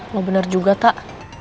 lo bener juga tak